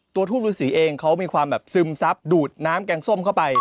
ทูปฤษีเองเขามีความแบบซึมซับดูดน้ำแกงส้มเข้าไป